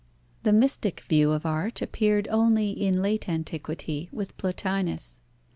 The mystic view of art appeared only in late antiquity, with Plotinus.